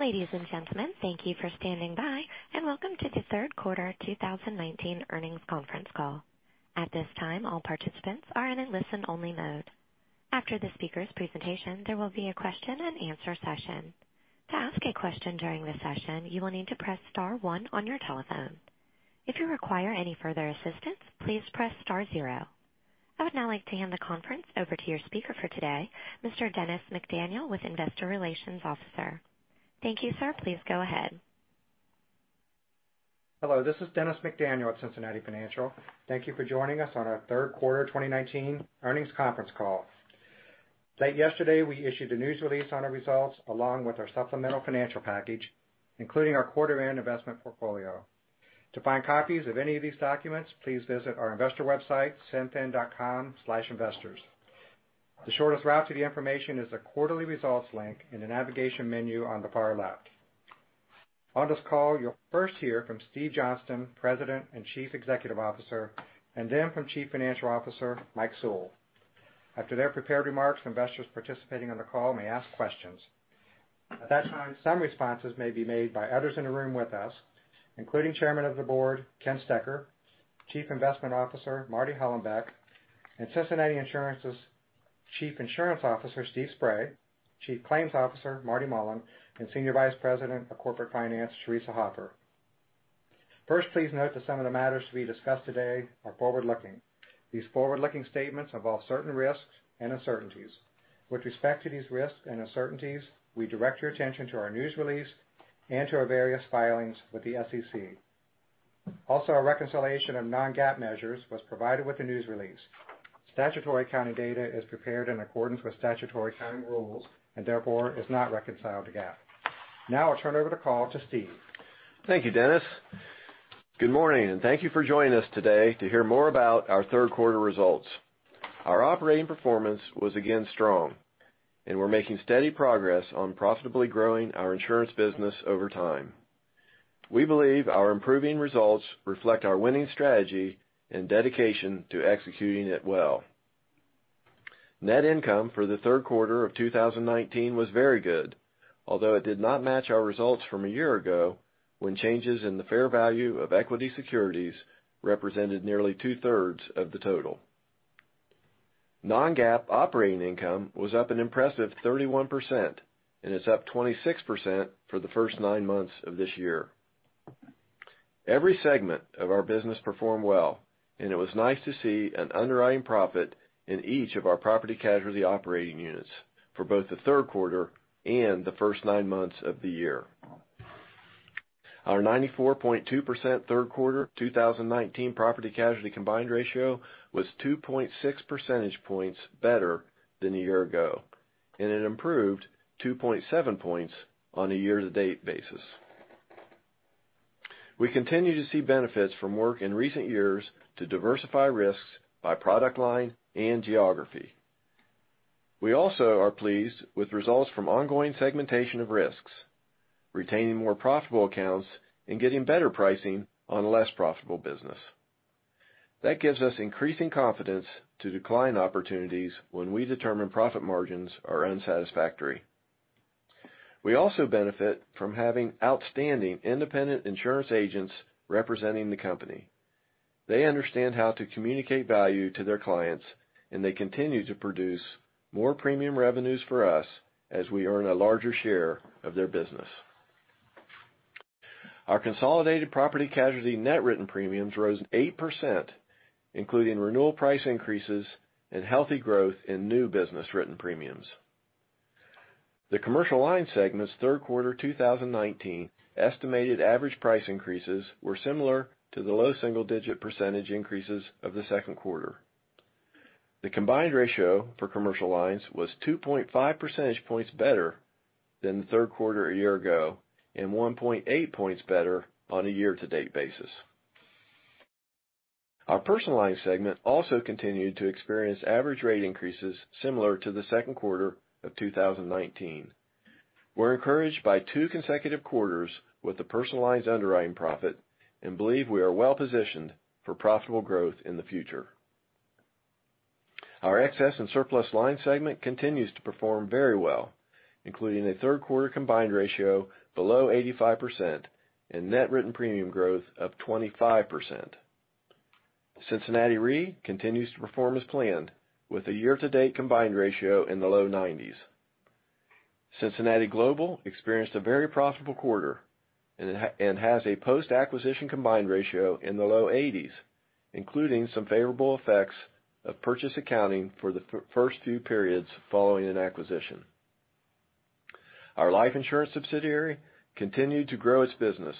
Ladies and gentlemen, thank you for standing by, and welcome to the third quarter 2019 earnings conference call. At this time, all participants are in a listen-only mode. After the speaker's presentation, there will be a question and answer session. To ask a question during the session, you will need to press star one on your telephone. If you require any further assistance, please press star zero. I would now like to hand the conference over to your speaker for today, Mr. Dennis McDaniel, with Investor Relations Officer. Thank you, sir. Please go ahead. Hello, this is Dennis McDaniel at Cincinnati Financial. Thank you for joining us on our third quarter 2019 earnings conference call. Late yesterday, we issued a news release on our results, along with our supplemental financial package, including our quarter end investment portfolio. To find copies of any of these documents, please visit our investor website, cinfin.com/investors. The shortest route to the information is the quarterly results link in the navigation menu on the far left. On this call, you'll first hear from Steve Johnston, President and Chief Executive Officer, and then from Chief Financial Officer, Mike Sewell. After their prepared remarks, investors participating on the call may ask questions. At that time, some responses may be made by others in the room with us, including Chairman of the Board, Ken Stecher, Chief Investment Officer, Marty Hollenbeck, and Cincinnati Insurance's Chief Insurance Officer, Steve Spray, Chief Claims Officer, Marty Mullen, and Senior Vice President of Corporate Finance, Theresa Hoffer. Please note that some of the matters to be discussed today are forward-looking. These forward-looking statements involve certain risks and uncertainties. With respect to these risks and uncertainties, we direct your attention to our news release and to our various filings with the SEC. Our reconciliation of non-GAAP measures was provided with the news release. Statutory accounting data is prepared in accordance with statutory accounting rules and therefore is not reconciled to GAAP. I'll turn over the call to Steve. Thank you, Dennis. Good morning, thank you for joining us today to hear more about our third quarter results. Our operating performance was again strong, we're making steady progress on profitably growing our insurance business over time. We believe our improving results reflect our winning strategy and dedication to executing it well. Net income for the third quarter of 2019 was very good, although it did not match our results from a year ago when changes in the fair value of equity securities represented nearly two-thirds of the total. Non-GAAP operating income was up an impressive 31%, it's up 26% for the first nine months of this year. Every segment of our business performed well, it was nice to see an underwriting profit in each of our property casualty operating units for both the third quarter and the first nine months of the year. Our 94.2% third quarter 2019 property casualty combined ratio was 2.6 percentage points better than a year ago, and it improved 2.7 points on a year-to-date basis. We continue to see benefits from work in recent years to diversify risks by product line and geography. We also are pleased with results from ongoing segmentation of risks, retaining more profitable accounts, and getting better pricing on less profitable business. That gives us increasing confidence to decline opportunities when we determine profit margins are unsatisfactory. We also benefit from having outstanding independent insurance agents representing the company. They understand how to communicate value to their clients, and they continue to produce more premium revenues for us as we earn a larger share of their business. Our consolidated property casualty net written premiums rose 8%, including renewal price increases and healthy growth in new business written premiums. The commercial line segment's third quarter 2019 estimated average price increases were similar to the low single-digit percentage increases of the second quarter. The combined ratio for commercial lines was 2.5 percentage points better than the third quarter a year ago, and 1.8 points better on a year-to-date basis. Our personal line segment also continued to experience average rate increases similar to the second quarter of 2019. We're encouraged by two consecutive quarters with the personal lines underwriting profit and believe we are well positioned for profitable growth in the future. Our excess and surplus line segment continues to perform very well, including a third quarter combined ratio below 85% and net written premium growth of 25%. Cincinnati Re continues to perform as planned with a year-to-date combined ratio in the low 90s. Cincinnati Global experienced a very profitable quarter and has a post-acquisition combined ratio in the low 80s, including some favorable effects of purchase accounting for the first few periods following an acquisition. Our life insurance subsidiary continued to grow its business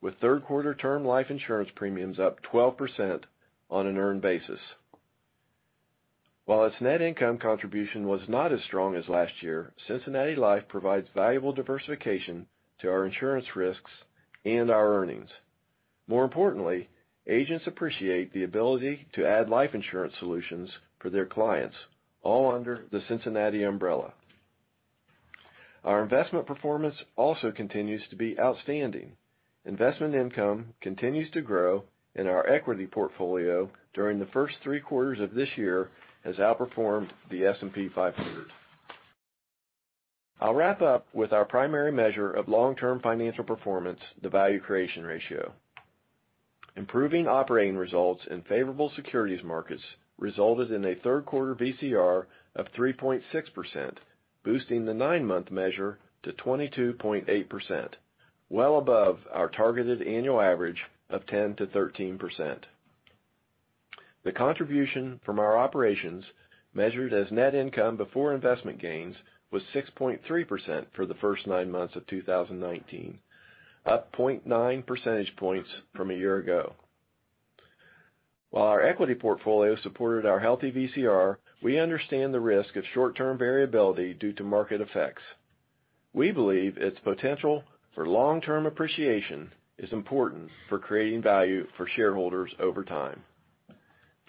with third quarter term life insurance premiums up 12% on an earned basis. While its net income contribution was not as strong as last year, Cincinnati Life provides valuable diversification to our insurance risks and our earnings. More importantly, agents appreciate the ability to add life insurance solutions for their clients, all under the Cincinnati umbrella. Our investment performance also continues to be outstanding. Investment income continues to grow in our equity portfolio during the first three quarters of this year has outperformed the S&P 500. I'll wrap up with our primary measure of long-term financial performance, the value creation ratio. Improving operating results in favorable securities markets resulted in a third quarter VCR of 3.6%, boosting the nine-month measure to 22.8%, well above our targeted annual average of 10%-13%. The contribution from our operations, measured as net income before investment gains, was 6.3% for the first nine months of 2019, up 0.9 percentage points from a year ago. While our equity portfolio supported our healthy VCR, we understand the risk of short-term variability due to market effects. We believe its potential for long-term appreciation is important for creating value for shareholders over time.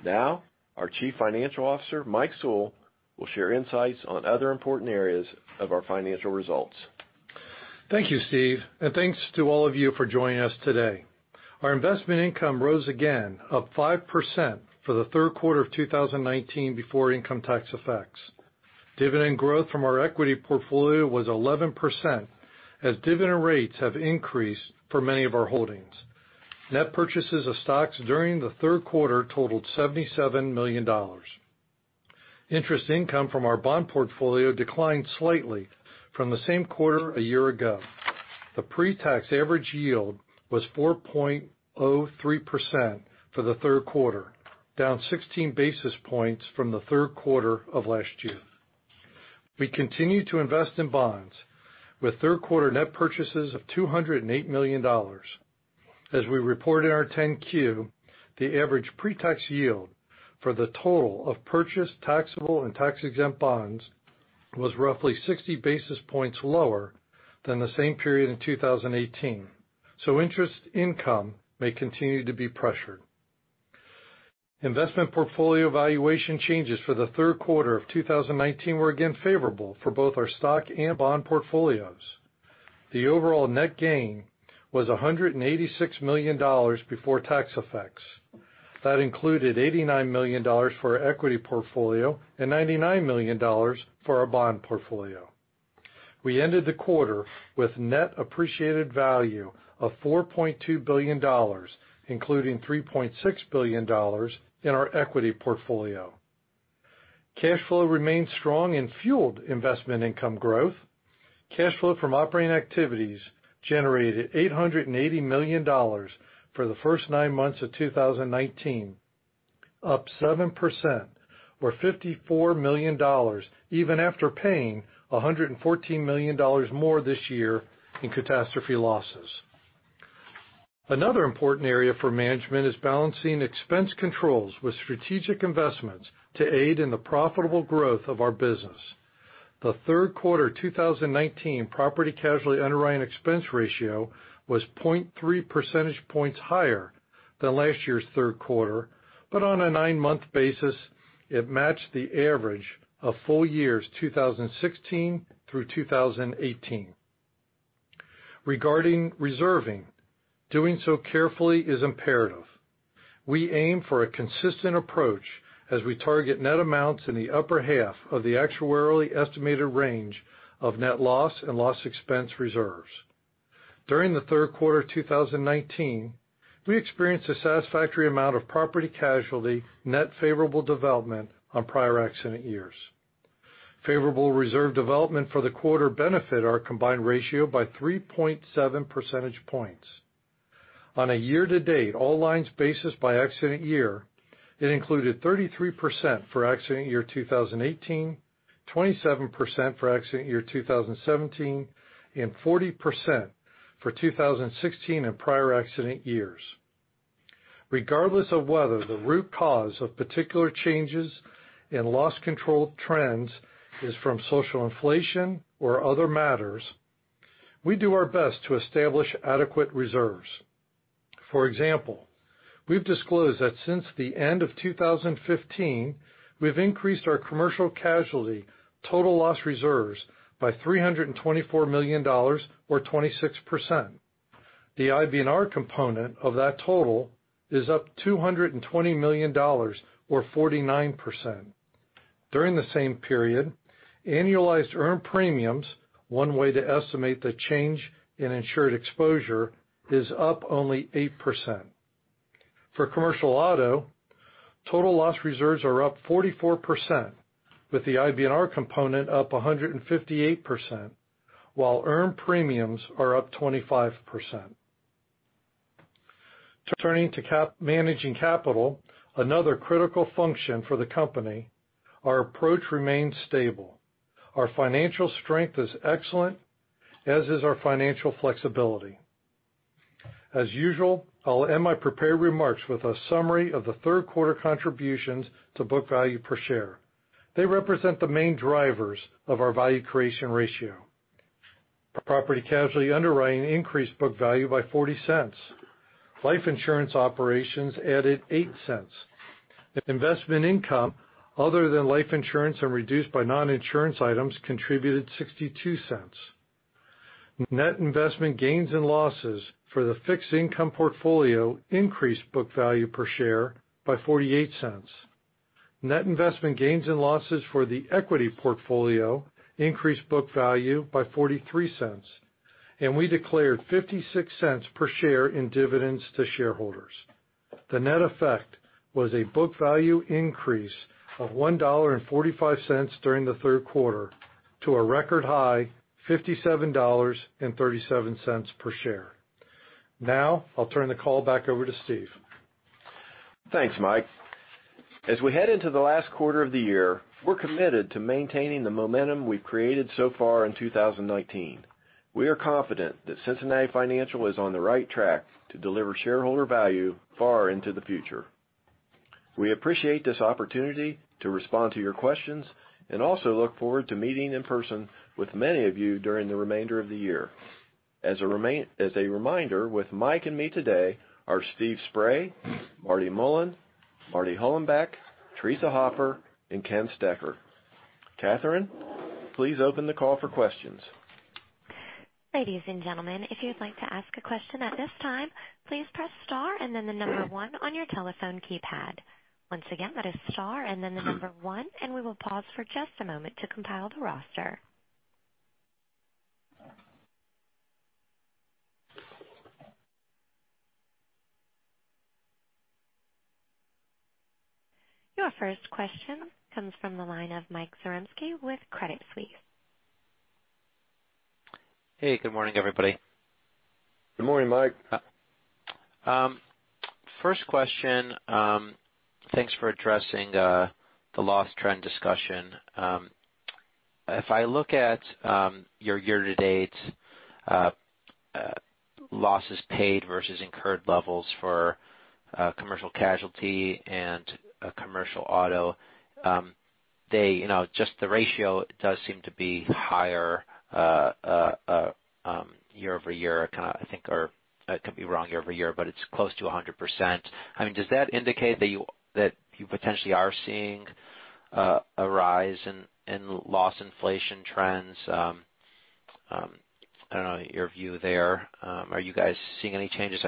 Now, our Chief Financial Officer, Mike Sewell, will share insights on other important areas of our financial results. Thank you, Steve. Thanks to all of you for joining us today. Our investment income rose again, up 5% for the third quarter of 2019 before income tax effects. Dividend growth from our equity portfolio was 11%, as dividend rates have increased for many of our holdings. Net purchases of stocks during the third quarter totaled $77 million. Interest income from our bond portfolio declined slightly from the same quarter a year ago. The pretax average yield was 4.03% for the third quarter, down 16 basis points from the third quarter of last year. We continue to invest in bonds, with third quarter net purchases of $208 million. As we report in our 10-Q, the average pretax yield for the total of purchased taxable and tax-exempt bonds was roughly 60 basis points lower than the same period in 2018. Interest income may continue to be pressured. Investment portfolio valuation changes for the third quarter of 2019 were again favorable for both our stock and bond portfolios. The overall net gain was $186 million before tax effects. That included $89 million for our equity portfolio and $99 million for our bond portfolio. We ended the quarter with net appreciated value of $4.2 billion, including $3.6 billion in our equity portfolio. Cash flow remains strong and fueled investment income growth. Cash flow from operating activities generated $880 million for the first nine months of 2019, up 7%, or $54 million, even after paying $114 million more this year in catastrophe losses. Another important area for management is balancing expense controls with strategic investments to aid in the profitable growth of our business. The third quarter 2019 property casualty underwriting expense ratio was 0.3 percentage points higher than last year's third quarter. On a nine-month basis, it matched the average of full years 2016 through 2018. Regarding reserving, doing so carefully is imperative. We aim for a consistent approach as we target net amounts in the upper half of the actuarially estimated range of net loss and loss expense reserves. During the third quarter of 2019, we experienced a satisfactory amount of property casualty net favorable development on prior accident years. Favorable reserve development for the quarter benefited our combined ratio by 3.7 percentage points. On a year-to-date all lines basis by accident year, it included 33% for accident year 2018, 27% for accident year 2017, and 40% for 2016 and prior accident years. Regardless of whether the root cause of particular changes in loss control trends is from social inflation or other matters, we do our best to establish adequate reserves. For example, we've disclosed that since the end of 2015, we've increased our commercial casualty total loss reserves by $324 million or 26%. The IBNR component of that total is up $220 million or 49%. During the same period, annualized earned premiums, one way to estimate the change in insured exposure, is up only 8%. For commercial auto, total loss reserves are up 44%, with the IBNR component up 158%. Earned premiums are up 25%. Turning to managing capital, another critical function for the company, our approach remains stable. Our financial strength is excellent, as is our financial flexibility. As usual, I'll end my prepared remarks with a summary of the third quarter contributions to book value per share. They represent the main drivers of our value creation ratio. Property casualty underwriting increased book value by $0.40. Life insurance operations added $0.08. Investment income other than life insurance and reduced by non-insurance items contributed $0.62. Net investment gains and losses for the fixed income portfolio increased book value per share by $0.48. Net investment gains and losses for the equity portfolio increased book value by $0.43. We declared $0.56 per share in dividends to shareholders. The net effect was a book value increase of $1.45 during the third quarter to a record high $57.37 per share. Now I'll turn the call back over to Steve. Thanks, Mike. As we head into the last quarter of the year, we're committed to maintaining the momentum we've created so far in 2019. We are confident that Cincinnati Financial is on the right track to deliver shareholder value far into the future. We appreciate this opportunity to respond to your questions and also look forward to meeting in person with many of you during the remainder of the year. As a reminder, with Mike and me today are Steve Spray, Marty Mullen, Marty Hollenbeck, Theresa Hoffer, and Ken Stecher. Catherine, please open the call for questions. Ladies and gentlemen, if you'd like to ask a question at this time, please press star and then the number one on your telephone keypad. Once again, that is star and then the number one. We will pause for just a moment to compile the roster. Your first question comes from the line of Michael Zaremski with Credit Suisse. Hey, good morning, everybody. Good morning, Mike. First question. Thanks for addressing the loss trend discussion. If I look at your year-to-date losses paid versus incurred levels for commercial casualty and commercial auto, just the ratio does seem to be higher year-over-year, I think, or I could be wrong year-over-year, but it's close to 100%. Does that indicate that you potentially are seeing a rise in loss inflation trends? I don't know your view there. Are you guys seeing any changes?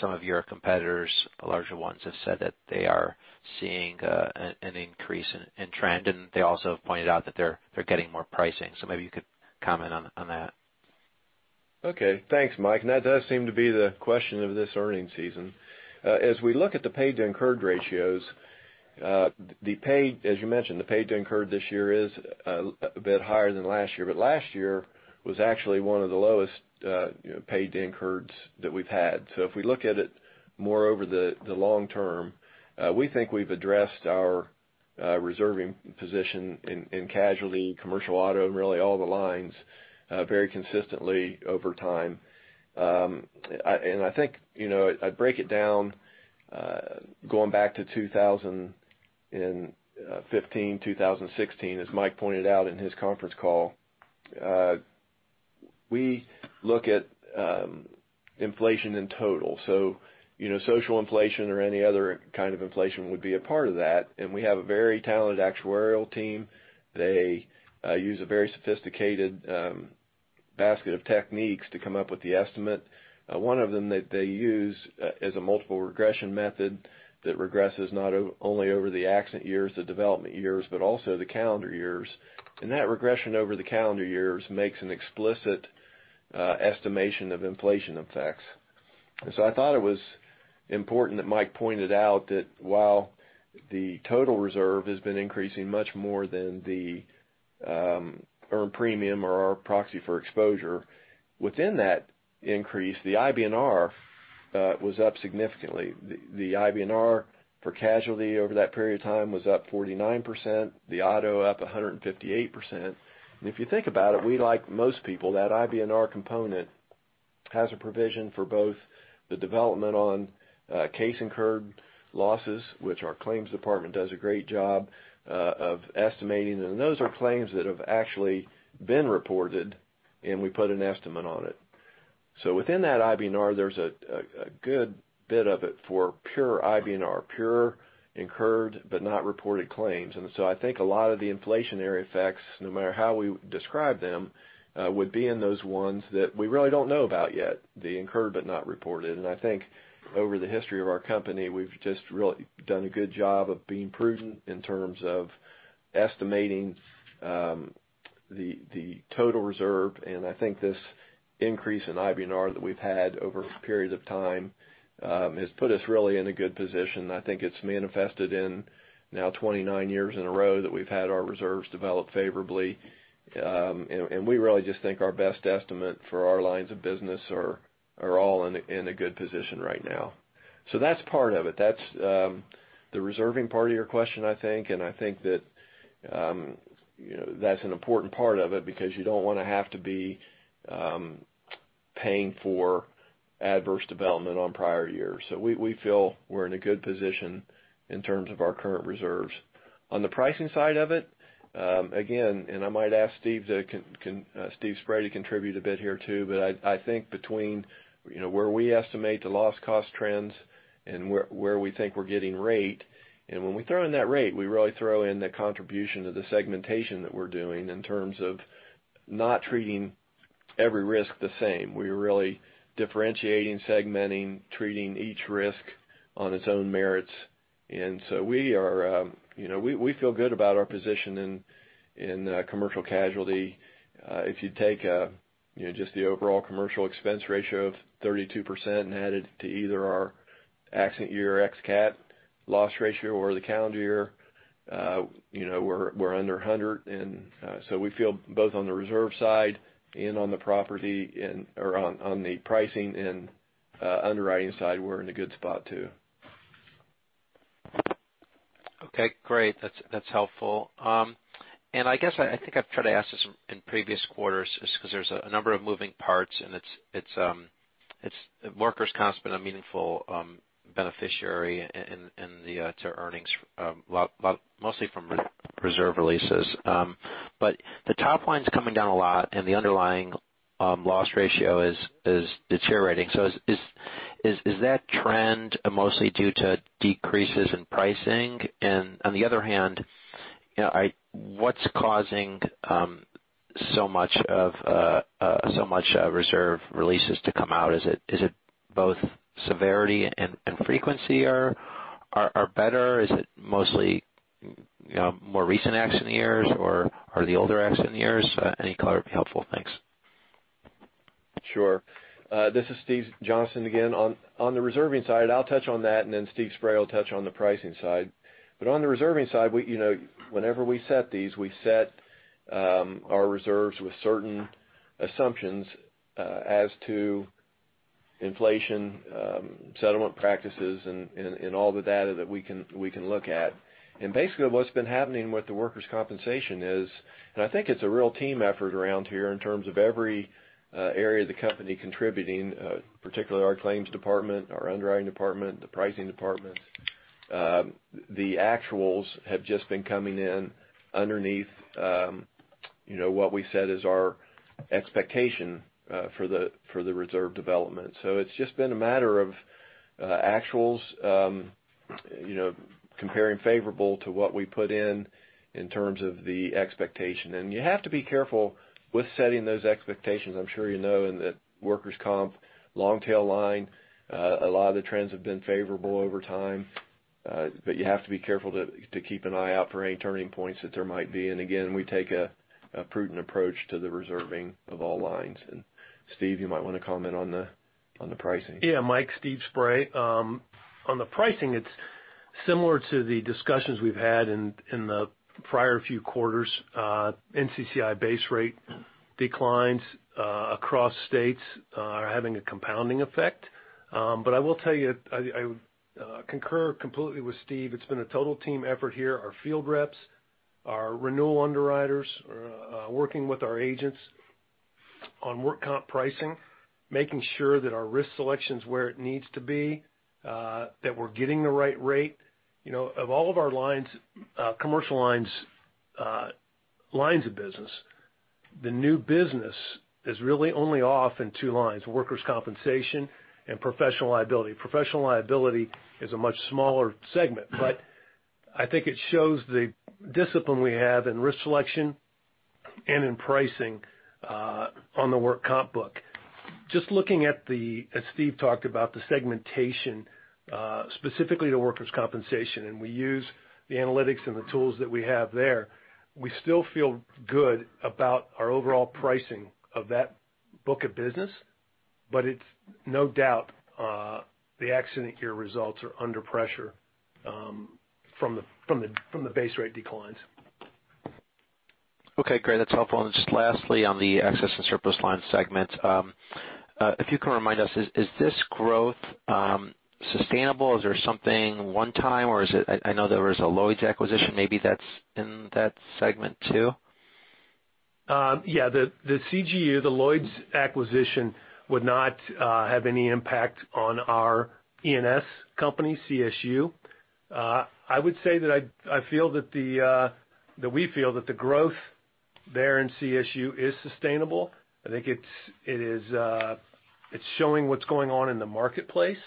Some of your competitors, the larger ones, have said that they are seeing an increase in trend, and they also have pointed out that they're getting more pricing. Maybe you could comment on that. Okay. Thanks, Mike. That does seem to be the question of this earnings season. As we look at the paid to incurred ratios, as you mentioned, the paid to incurred this year is a bit higher than last year, but last year was actually one of the lowest paid to incurreds that we've had. If we look at it more over the long term, we think we've addressed our reserving position in casualty, commercial auto, and really all the lines very consistently over time. I think, I break it down, going back to 2015, 2016, as Mike pointed out in his conference call, we look at inflation in total. Social inflation or any other kind of inflation would be a part of that, and we have a very talented actuarial team. They use a very sophisticated basket of techniques to come up with the estimate. One of them that they use is a multiple regression method that regresses not only over the accident years, the development years, but also the calendar years. That regression over the calendar years makes an explicit estimation of inflation effects. I thought it was important that Mike pointed out that while the total reserve has been increasing much more than the earned premium or our proxy for exposure, within that increase, the IBNR was up significantly. The IBNR for casualty over that period of time was up 49%, the auto up 158%. If you think about it, we, like most people, that IBNR component has a provision for both the development on case incurred losses, which our claims department does a great job of estimating. And those are claims that have actually been reported, and we put an estimate on it. Within that IBNR, there's a good bit of it for pure IBNR, pure incurred, but not reported claims. I think a lot of the inflationary effects, no matter how we describe them, would be in those ones that we really don't know about yet, the incurred but not reported. I think over the history of our company, we've just really done a good job of being prudent in terms of estimating the total reserve, I think this increase in IBNR that we've had over periods of time has put us really in a good position. I think it's manifested in now 29 years in a row that we've had our reserves develop favorably, and we really just think our best estimate for our lines of business are all in a good position right now. That's part of it. That's the reserving part of your question, I think. I think that's an important part of it because you don't want to have to be paying for adverse development on prior years. We feel we're in a good position in terms of our current reserves. On the pricing side of it, I might ask Stephen M. Spray to contribute a bit here too. I think between where we estimate the loss cost trends and where we think we're getting rate. When we throw in that rate, we really throw in the contribution to the segmentation that we're doing in terms of not treating every risk the same. We're really differentiating, segmenting, treating each risk on its own merits. We feel good about our position in commercial casualty. If you take just the overall commercial expense ratio of 32% and add it to either our accident year X CAT loss ratio or the calendar year, we're under 100, we feel both on the reserve side and on the pricing and underwriting side, we're in a good spot too. Okay, great. That's helpful. I guess, I think I've tried to ask this in previous quarters, just because there's a number of moving parts. Workers' Comp's been a meaningful beneficiary to earnings mostly from reserve releases. The top line's coming down a lot and the underlying loss ratio is deteriorating. Is that trend mostly due to decreases in pricing? On the other hand, what's causing so much reserve releases to come out? Is it both severity and frequency are better? Is it mostly more recent accident years or are the older accident years? Any color would be helpful. Thanks. Sure. This is Steve Johnston again. On the reserving side, I'll touch on that and then Steve Spray will touch on the pricing side. On the reserving side, whenever we set these, we set our reserves with certain assumptions as to inflation, settlement practices, and all the data that we can look at. And basically what's been happening with the workers' compensation is, and I think it's a real team effort around here in terms of every area of the company contributing, particularly our claims department, our underwriting department, the pricing department. The actuals have just been coming in underneath what we set as our expectation for the reserve development. So it's just been a matter of actuals comparing favorable to what we put in terms of the expectation. And you have to be careful with setting those expectations. I'm sure you know in the workers' comp long tail line, a lot of the trends have been favorable over time. You have to be careful to keep an eye out for any turning points that there might be. And again, we take a prudent approach to the reserving of all lines. And Steve, you might want to comment on the pricing. Yeah, Mike, Steve Spray. On the pricing, it's similar to the discussions we've had in the prior few quarters. NCCI base rate declines across states are having a compounding effect. I will tell you, I concur completely with Steve. It's been a total team effort here. Our field reps, our renewal underwriters are working with our agents on work comp pricing, making sure that our risk selection's where it needs to be, that we're getting the right rate. Of all of our lines, commercial lines of business, the new business is really only off in two lines, workers' compensation and professional liability. Professional liability is a much smaller segment, but I think it shows the discipline we have in risk selection and in pricing on the work comp book. Just looking at, as Steve talked about, the segmentation, specifically to workers' compensation, and we use the analytics and the tools that we have there. We still feel good about our overall pricing of that book of business. It's no doubt the accident year results are under pressure from the base rate declines. Okay, great. That's helpful. Just lastly, on the excess and surplus lines segment, if you can remind us, is this growth sustainable? Is there something one-time or is it? I know there was a Lloyd's acquisition, maybe that's in that segment too. Yeah. The CGU, the Lloyd's acquisition would not have any impact on our E&S company, CSU. I would say that we feel that the growth there in CSU is sustainable. I think it's showing what's going on in the marketplace.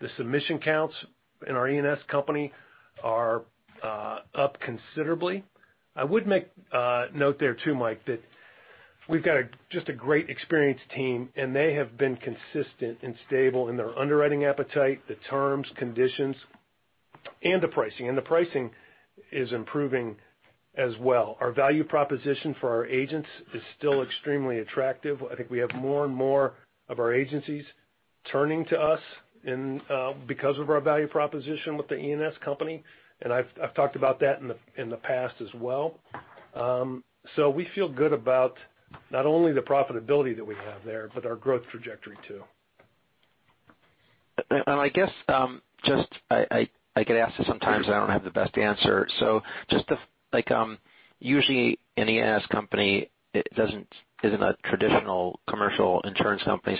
The submission counts in our E&S company are up considerably. I would make a note there too, Mike, that we've got just a great experienced team and they have been consistent and stable in their underwriting appetite, the terms, conditions, and the pricing. The pricing is improving as well. Our value proposition for our agents is still extremely attractive. I think we have more and more of our agencies turning to us because of our value proposition with the E&S company, and I've talked about that in the past as well. We feel good about not only the profitability that we have there, but our growth trajectory too. I guess, I get asked this sometimes, and I don't have the best answer. Just usually an E&S company isn't a traditional commercial insurance company.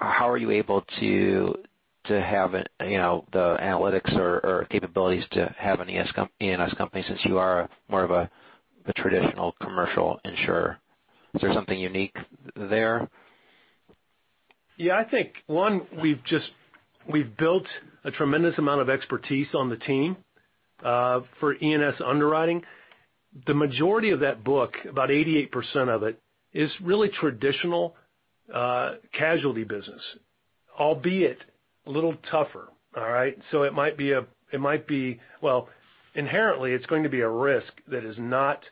How are you able to have the analytics or capabilities to have an E&S company since you are more of a traditional commercial insurer? Is there something unique there? Yeah, I think, one, we've built a tremendous amount of expertise on the team for E&S underwriting. The majority of that book, about 88% of it, is really traditional casualty business, albeit a little tougher. All right? Inherently, it's going to be a risk that is not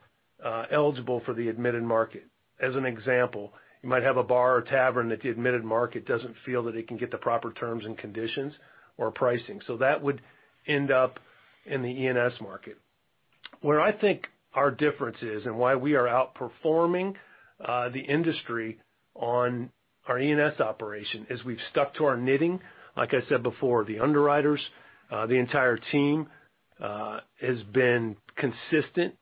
eligible for the admitted market. As an example, you might have a bar or tavern that the admitted market doesn't feel that it can get the proper terms and conditions or pricing. That would end up in the E&S market. Where I think our difference is and why we are outperforming the industry on our E&S operation is we've stuck to our knitting. Like I said before, the underwriters, the entire team has been consistent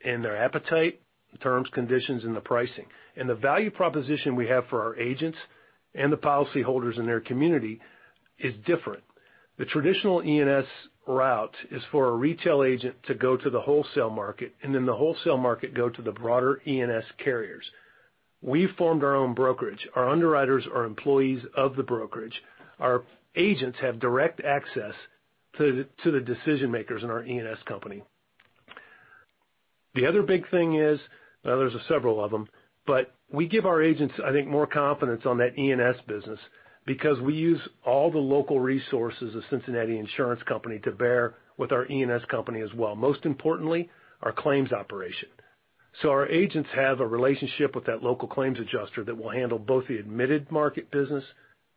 in their appetite, terms, conditions, and the pricing. The value proposition we have for our agents and the policyholders in their community is different. The traditional E&S route is for a retail agent to go to the wholesale market, then the wholesale market go to the broader E&S carriers. We formed our own brokerage. Our underwriters are employees of the brokerage. Our agents have direct access to the decision-makers in our E&S company. The other big thing is, there's several of them, but we give our agents, I think, more confidence on that E&S business because we use all the local resources of The Cincinnati Insurance Company to bear with our E&S company as well, most importantly, our claims operation. Our agents have a relationship with that local claims adjuster that will handle both the admitted market business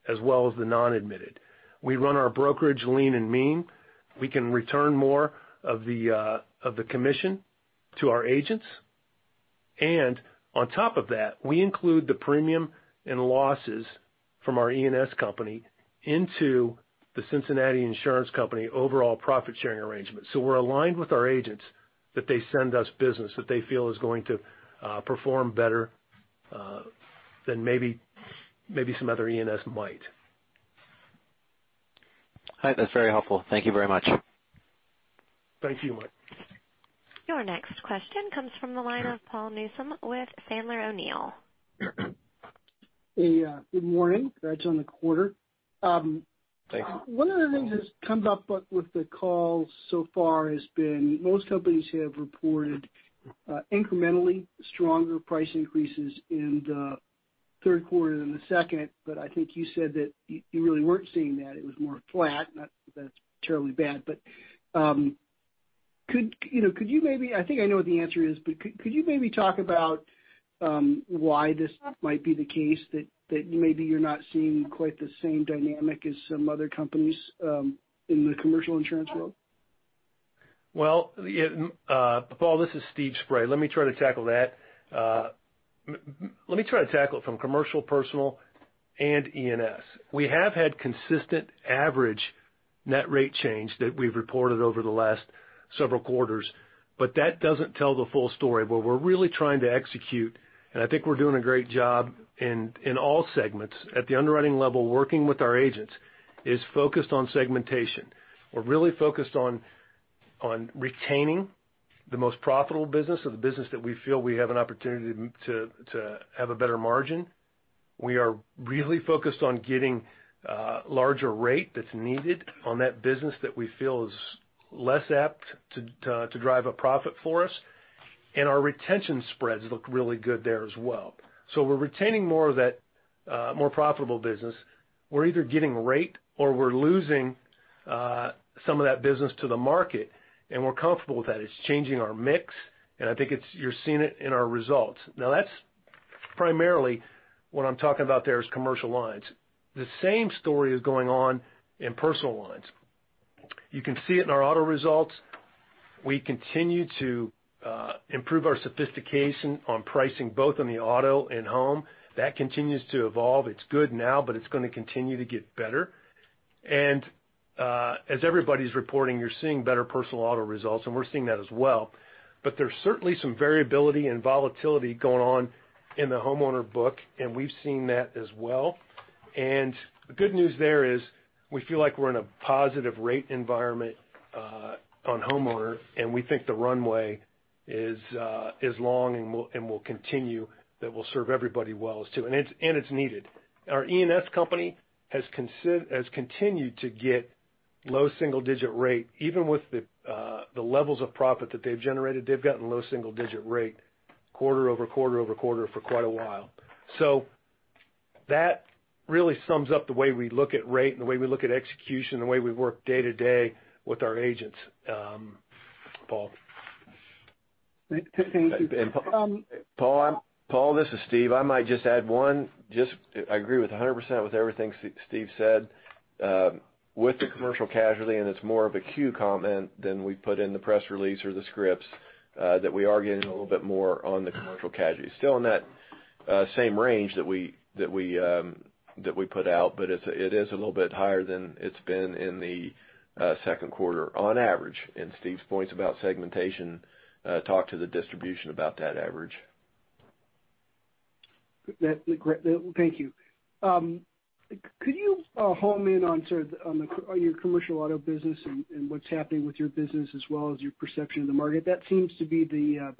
as well as the non-admitted. We run our brokerage lean and mean. We can return more of the commission to our agents. On top of that, we include the premium and losses from our E&S company into The Cincinnati Insurance Company overall profit-sharing arrangement. We're aligned with our agents that they send us business that they feel is going to perform better than maybe some other E&S might. All right. That's very helpful. Thank you very much. Thank you, Mike. Your next question comes from the line of Paul Newsome with Sandler O'Neill. Hey, good morning. Congrats on the quarter. Thank you. One of the things that's come up with the call so far has been most companies have reported incrementally stronger price increases in the third quarter than the second. I think you said that you really weren't seeing that. It was more flat. Not that it's terribly bad, but could you maybe, I think I know what the answer is, but could you maybe talk about why this might be the case, that maybe you're not seeing quite the same dynamic as some other companies in the commercial insurance world? Well, Paul, this is Steve Spray. Let me try to tackle that. Let me try to tackle it from commercial, personal, and E&S. We have had consistent average net rate change that we've reported over the last several quarters, but that doesn't tell the full story. What we're really trying to execute, and I think we're doing a great job in all segments at the underwriting level, working with our agents, is focused on segmentation. We're really focused on retaining the most profitable business or the business that we feel we have an opportunity to have a better margin. We are really focused on getting a larger rate that's needed on that business that we feel is less apt to drive a profit for us. Our retention spreads look really good there as well. We're retaining more of that more profitable business. We're either getting rate or we're losing some of that business to the market, and we're comfortable with that. It's changing our mix, and I think you're seeing it in our results. Now, that's primarily what I'm talking about there is commercial lines. The same story is going on in personal lines. You can see it in our auto results. We continue to improve our sophistication on pricing, both on the auto and home. That continues to evolve. It's good now, but it's going to continue to get better. As everybody's reporting, you're seeing better personal auto results, and we're seeing that as well. There's certainly some variability and volatility going on in the homeowner book, and we've seen that as well. The good news there is we feel like we're in a positive rate environment on homeowner, and we think the runway is long and will continue. That will serve everybody well as to, and it's needed. Our E&S company has continued to get low single-digit rate. Even with the levels of profit that they've generated, they've gotten low single-digit rate quarter over quarter over quarter for quite a while. That really sums up the way we look at rate and the way we look at execution, the way we work day to day with our agents, Paul. Thank you. Paul, this is Steve. I might just add one. I agree 100% with everything Steve said. With the commercial casualty, it's more of a Q comment than we put in the press release or the scripts, that we are getting a little bit more on the commercial casualty. Still in that same range that we That we put out, it is a little bit higher than it's been in the second quarter on average. Steve's points about segmentation talk to the distribution about that average. Thank you. Could you home in on your commercial auto business and what's happening with your business as well as your perception of the market? That seems to be the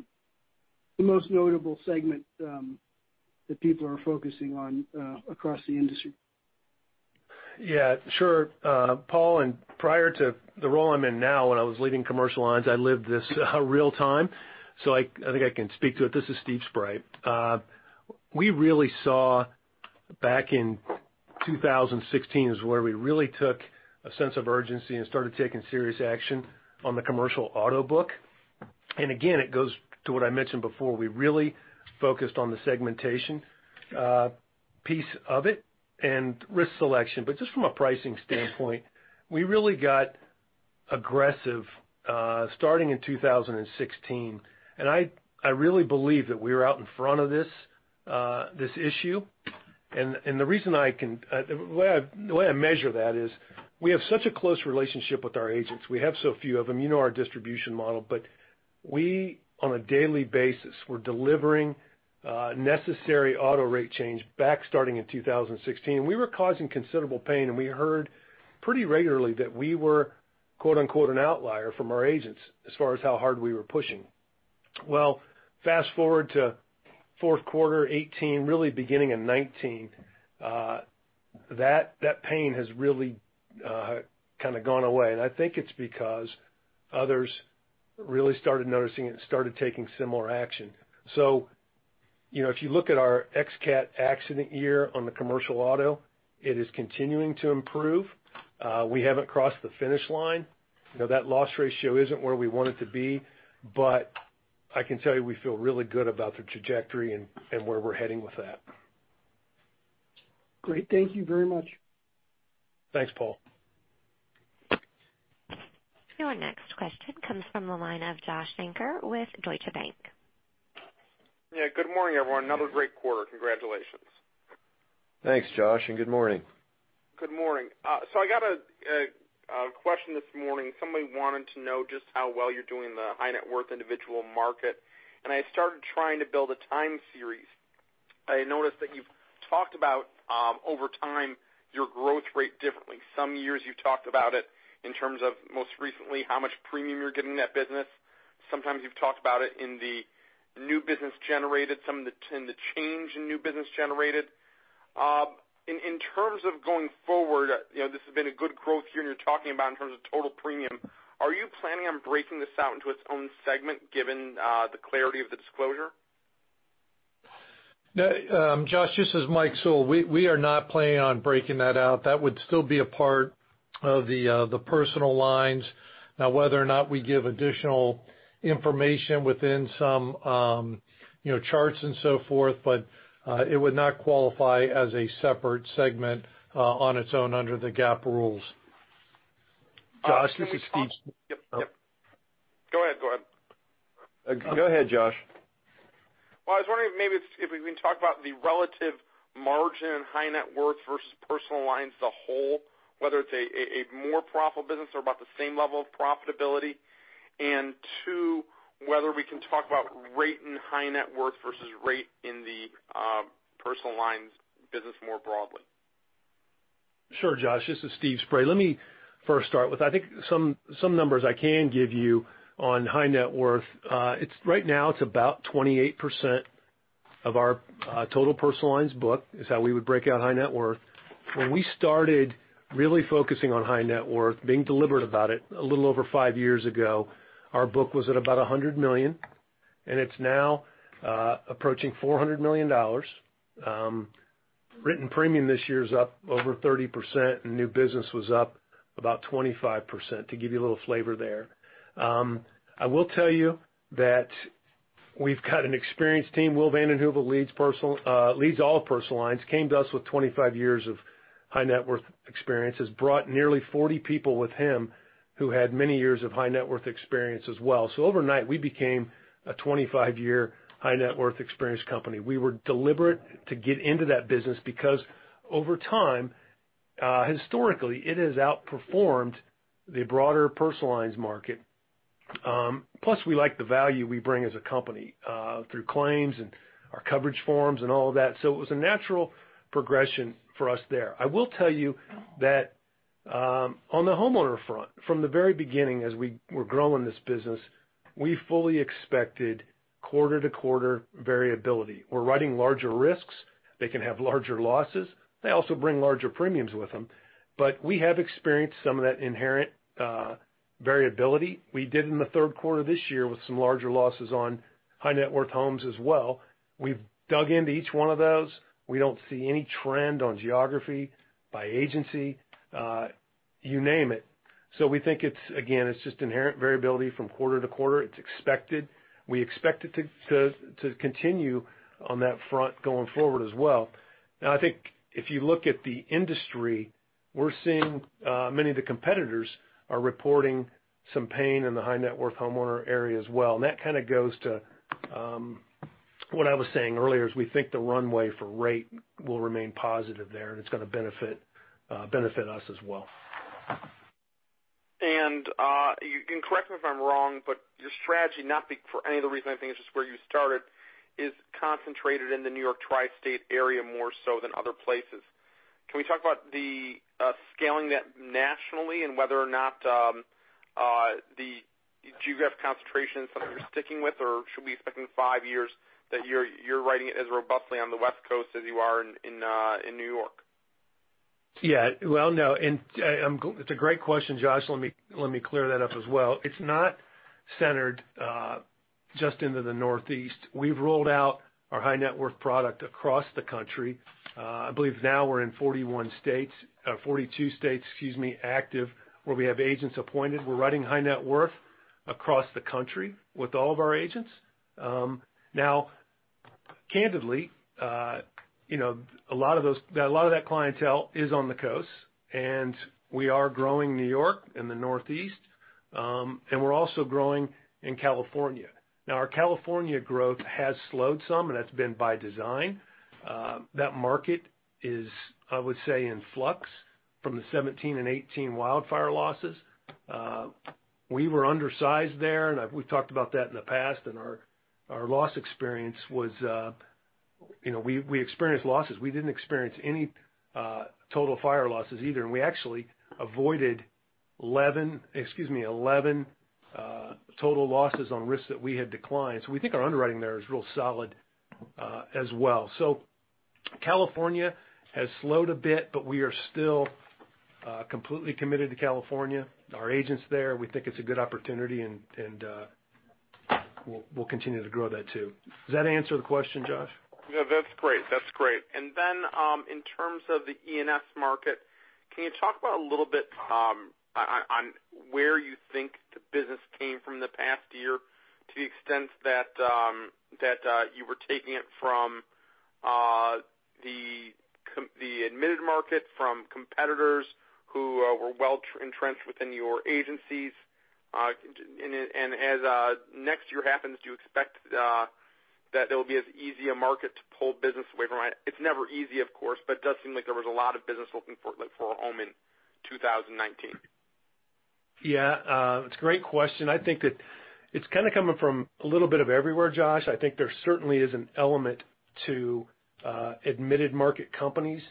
most notable segment that people are focusing on across the industry. Yeah, sure. Paul, prior to the role I'm in now, when I was leading commercial lines, I lived this real time, I think I can speak to it. This is Steve Spray. We really saw back in 2016 is where we really took a sense of urgency and started taking serious action on the commercial auto book. Again, it goes to what I mentioned before. We really focused on the segmentation piece of it and risk selection. Just from a pricing standpoint, we really got aggressive starting in 2016. I really believe that we are out in front of this issue. The way I measure that is we have such a close relationship with our agents. We have so few of them, you know our distribution model. We, on a daily basis, we're delivering necessary auto rate change back starting in 2016. We were causing considerable pain. We heard pretty regularly that we were "an outlier" from our agents as far as how hard we were pushing. Fast-forward to fourth quarter 2018, really beginning in 2019, that pain has really kind of gone away. I think it's because others really started noticing it and started taking similar action. If you look at our X CAT accident year on the commercial auto, it is continuing to improve. We haven't crossed the finish line. That loss ratio isn't where we want it to be, but I can tell you we feel really good about the trajectory and where we're heading with that. Great. Thank you very much. Thanks, Paul. Your next question comes from the line of Joshua Shanker with Deutsche Bank. Good morning, everyone. Another great quarter. Congratulations. Thanks, Josh. Good morning. Good morning. I got a question this morning. Somebody wanted to know just how well you're doing in the high net worth individual market. I started trying to build a time series. I noticed that you've talked about, over time, your growth rate differently. Some years you talked about it in terms of most recently how much premium you're giving that business. Sometimes you've talked about it in the new business generated, some in the change in new business generated. In terms of going forward, this has been a good growth year, and you're talking about in terms of total premium, are you planning on breaking this out into its own segment given the clarity of the disclosure? Josh, this is Mike Sewell. We are not planning on breaking that out. That would still be a part of the personal lines. Whether or not we give additional information within some charts and so forth, but it would not qualify as a separate segment on its own under the GAAP rules. Josh, this is Steve. Yep. Go ahead. Go ahead, Josh. Well, I was wondering maybe if we can talk about the relative margin in high net worth versus personal lines as a whole, whether it's a more profitable business or about the same level of profitability. Two, whether we can talk about rate in high net worth versus rate in the personal lines business more broadly. Sure, Josh. This is Steve Spray. Let me first start with, I think some numbers I can give you on high net worth. Right now it's about 28% of our total personal lines book is how we would break out high net worth. When we started really focusing on high net worth, being deliberate about it, a little over five years ago, our book was at about $100 million, and it's now approaching $400 million. Written premium this year is up over 30%, and new business was up about 25%, to give you a little flavor there. I will tell you that we've got an experienced team. Will Van Den Heuvel leads all of personal lines, came to us with 25 years of high net worth experience, has brought nearly 40 people with him who had many years of high net worth experience as well. Overnight, we became a 25-year high net worth experience company. We were deliberate to get into that business because, over time, historically, it has outperformed the broader personal lines market. We like the value we bring as a company through claims and our coverage forms and all of that. It was a natural progression for us there. I will tell you that on the homeowner front, from the very beginning as we were growing this business, we fully expected quarter-to-quarter variability. We're writing larger risks. They can have larger losses. They also bring larger premiums with them. We have experienced some of that inherent variability. We did in the third quarter this year with some larger losses on high net worth homes as well. We've dug into each one of those. We don't see any trend on geography, by agency, you name it. We think it's, again, it's just inherent variability from quarter to quarter. It's expected. We expect it to continue on that front going forward as well. I think if you look at the industry, we're seeing many of the competitors are reporting some pain in the high net worth homeowner area as well. That goes to what I was saying earlier, is we think the runway for rate will remain positive there, and it's going to benefit us as well. You can correct me if I'm wrong, but your strategy, not for any of the reasons, I think it's just where you started, is concentrated in the New York tri-state area more so than other places. Can we talk about the scaling that nationally and whether or not the geographic concentration is something you're sticking with, or should we be expecting five years that you're writing it as robustly on the West Coast as you are in New York? Well, no. It's a great question, Josh. Let me clear that up as well. It's not centered just into the Northeast. We've rolled out our high net worth product across the country. I believe now we're in 41 states, 42 states, excuse me, active, where we have agents appointed. We're writing high net worth across the country with all of our agents. Candidly, a lot of that clientele is on the coast, and we are growing New York and the Northeast. We're also growing in California. Our California growth has slowed some, and that's been by design. That market is, I would say, in flux from the 2017 and 2018 wildfire losses. We were undersized there, and we've talked about that in the past, and our loss experience was, we experienced losses. We didn't experience any total fire losses either. We actually avoided 11 total losses on risks that we had declined. We think our underwriting there is real solid as well. California has slowed a bit, but we are still completely committed to California. Our agents there. We think it's a good opportunity, and we'll continue to grow that too. Does that answer the question, Josh? That's great. Then, in terms of the E&S market, can you talk about a little bit on where you think the business came from the past year to the extent that you were taking it from the admitted market, from competitors who were well entrenched within your agencies? As next year happens, do you expect that there'll be as easy a market to pull business away from. It's never easy, of course, but it does seem like there was a lot of business looking for a home in 2019. It's a great question. I think that it's kind of coming from a little bit of everywhere, Josh. I think there certainly is an element to admitted market companies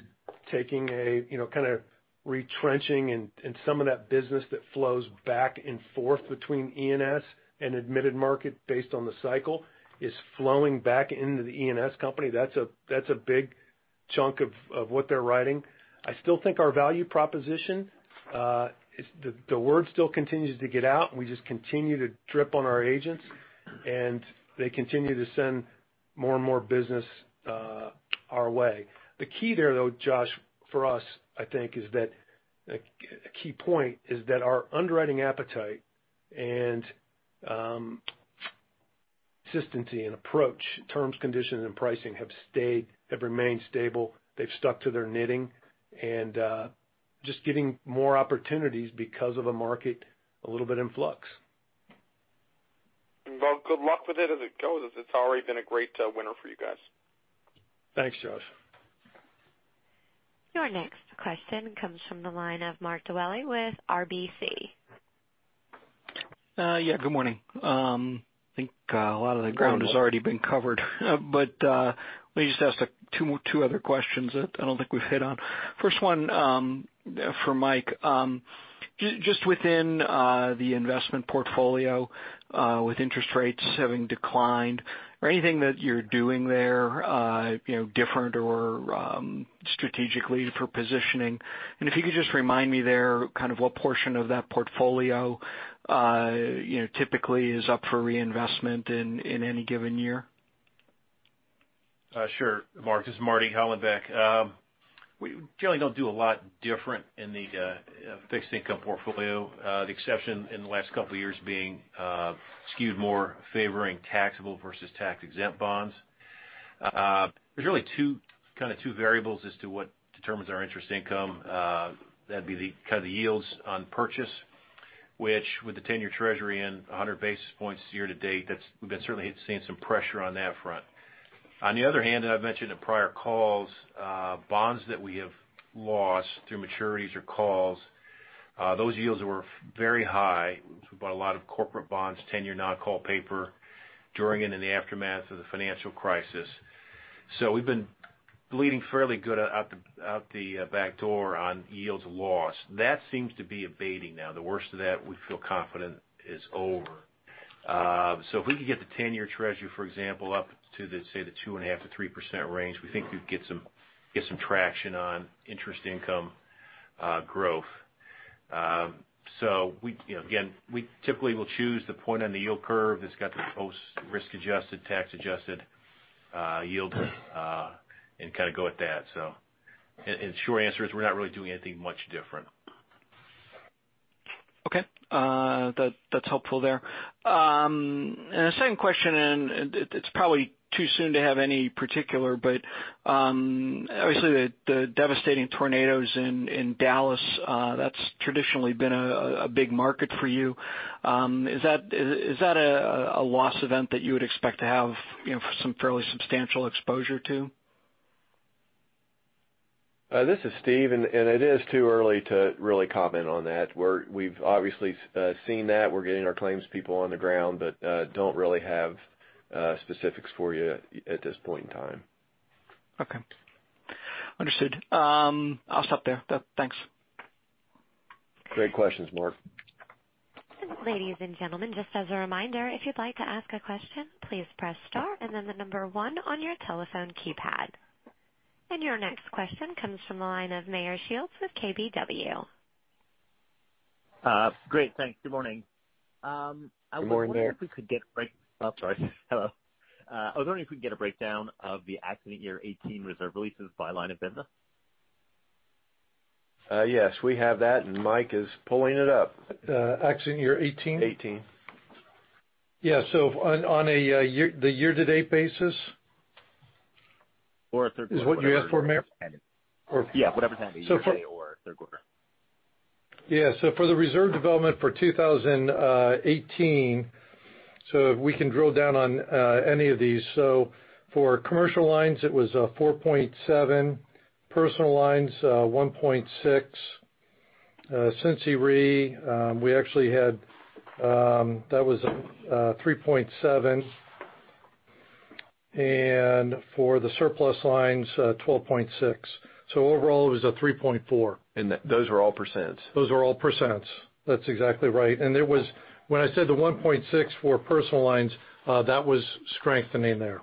retrenching and some of that business that flows back and forth between E&S and admitted market based on the cycle is flowing back into the E&S company. That's a big chunk of what they're writing. I still think our value proposition, the word still continues to get out. We just continue to drip on our agents, and they continue to send more and more business our way. The key there, though, Josh, for us, I think, a key point is that our underwriting appetite and consistency and approach, terms, conditions, and pricing have remained stable. They've stuck to their knitting and just getting more opportunities because of a market a little bit in flux. Well, good luck with it as it goes. It's already been a great winter for you guys. Thanks, Josh. Your next question comes from the line of Mark Dwelle with RBC. Yeah, good morning. I think a lot of the ground has already been covered, let me just ask two other questions that I don't think we've hit on. First one, for Mike. Just within the investment portfolio, with interest rates having declined, or anything that you're doing there different or strategically for positioning. If you could just remind me there, kind of what portion of that portfolio typically is up for reinvestment in any given year. Sure. Mark, this is Marty Hollenbeck. We generally don't do a lot different in the fixed income portfolio. The exception in the last couple of years being skewed more favoring taxable versus tax-exempt bonds. There's really two variables as to what determines our interest income. That'd be the yields on purchase, which with the 10-year treasury and 100 basis points year to date, we've been certainly seeing some pressure on that front. On the other hand, and I've mentioned in prior calls, bonds that we have lost through maturities or calls, those yields were very high. We bought a lot of corporate bonds, 10-year non-call paper during and in the aftermath of the financial crisis. We've been bleeding fairly good out the back door on yields lost. That seems to be abating now. The worst of that, we feel confident, is over. If we could get the 10-year treasury, for example, up to, let's say, the 2.5%-3% range, we think we'd get some traction on interest income growth. Again, we typically will choose the point on the yield curve that's got the most risk-adjusted, tax-adjusted yield and go with that. The short answer is we're not really doing anything much different. Okay. That's helpful there. A second question, it's probably too soon to have any particular, obviously the devastating tornadoes in Dallas, that's traditionally been a big market for you. Is that a loss event that you would expect to have some fairly substantial exposure to? This is Steve. It is too early to really comment on that. We've obviously seen that. We're getting our claims people on the ground, don't really have specifics for you at this point in time. Okay. Understood. I'll stop there. Thanks. Great questions, Mark. Ladies and gentlemen, just as a reminder, if you'd like to ask a question, please press star and then the number one on your telephone keypad. Your next question comes from the line of Meyer Shields with KBW. Great, thanks. Good morning. Good morning. I was wondering if we could get a break. Oh, sorry. Hello. I was wondering if we could get a breakdown of the accident year 2018 reserve releases by line of business. Yes, we have that, and Mike is pulling it up. Accident year 2018? '18. Yeah. on the year-to-date basis? a third quarter. Is what you asked for, Meyer? Yeah, whatever time, be it year-to-date or third quarter. Yeah. For the reserve development for 2018, we can drill down on any of these. For commercial lines, it was 4.7. Personal lines, 1.6. Cincinnati Re, that was 3.7. For the surplus lines, 12.6. Overall, it was a 3.4. Those are all %? Those are all %. That's exactly right. When I said the 1.6 for personal lines, that was strengthening there.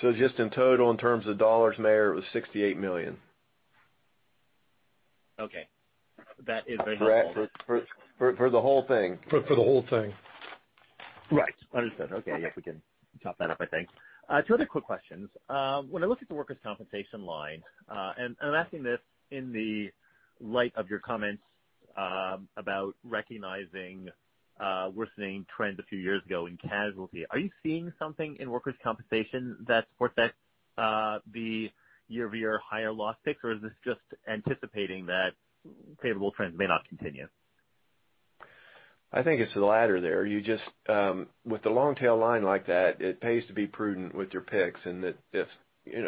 Just in total, in terms of dollars, Meyer, it was $68 million. Okay. That is the whole. For the whole thing. For the whole thing. Right. Understood. Okay. Yeah, we can chop that up, I think. Two other quick questions. When I look at the workers' compensation line, and I'm asking this in the light of your comments about recognizing worsening trends a few years ago in casualty, are you seeing something in workers' compensation that supports that the year-over-year higher loss picks, or is this just anticipating that favorable trends may not continue? I think it's the latter there. With the long tail line like that, it pays to be prudent with your picks and that if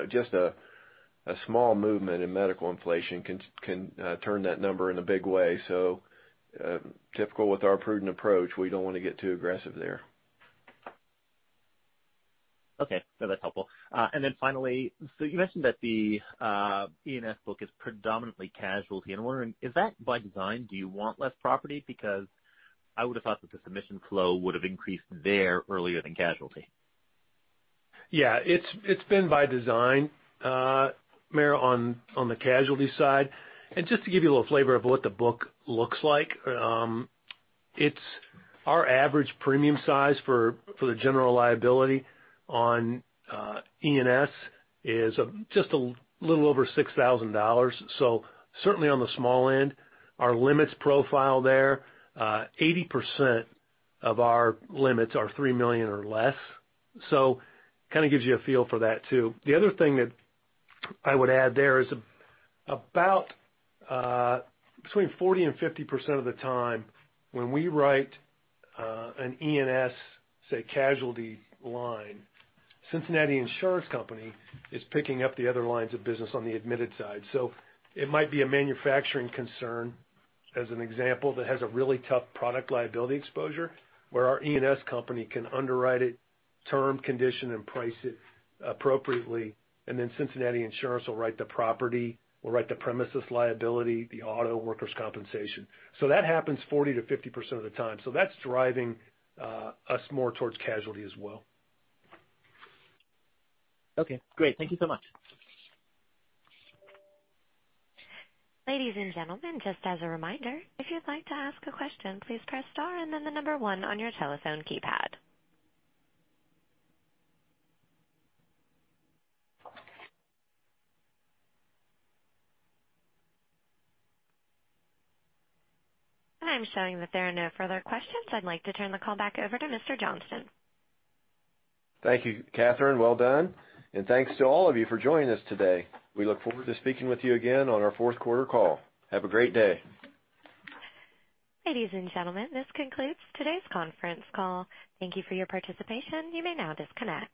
just a small movement in medical inflation can turn that number in a big way. Typical with our prudent approach, we don't want to get too aggressive there. Okay. No, that's helpful. Finally, you mentioned that the E&S book is predominantly casualty, and I'm wondering, is that by design? Do you want less property? Because I would've thought that the submission flow would've increased there earlier than casualty. It's been by design, Meyer, on the casualty side. Just to give you a little flavor of what the book looks like, our average premium size for the general liability on E&S is just a little over $6,000, so certainly on the small end. Our limits profile there, 80% of our limits are $3 million or less, so kind of gives you a feel for that too. The other thing that I would add there is about between 40%-50% of the time when we write an E&S, say, casualty line, The Cincinnati Insurance Company is picking up the other lines of business on the admitted side. It might be a manufacturing concern, as an example, that has a really tough product liability exposure, where our E&S company can underwrite it, term, condition, and price it appropriately, and then The Cincinnati Insurance Company will write the property, will write the premises liability, the auto workers' compensation. That happens 40%-50% of the time. That's driving us more towards casualty as well. Okay, great. Thank you so much. Ladies and gentlemen, just as a reminder, if you'd like to ask a question, please press star and then the number one on your telephone keypad. I'm showing that there are no further questions. I'd like to turn the call back over to Mr. Johnston. Thank you, Catherine. Well done. Thanks to all of you for joining us today. We look forward to speaking with you again on our fourth quarter call. Have a great day. Ladies and gentlemen, this concludes today's conference call. Thank you for your participation. You may now disconnect.